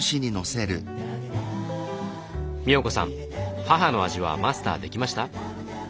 みおこさん母の味はマスターできました？